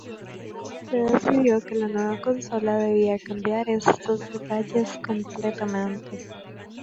Se decidió que la nueva consola debía cambiar estos detalles completamente.